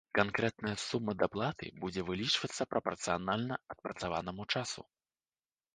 Канкрэтная сума даплаты будзе вылічвацца прапарцыянальна адпрацаванаму часу.